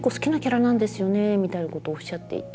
みたいなことをおっしゃっていて。